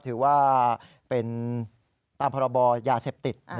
ถือว่าเป็นตามพรบยาเสพติด